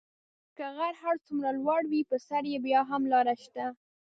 که غر هر څومره لوړ وي په سر یې بیا هم لاره شته .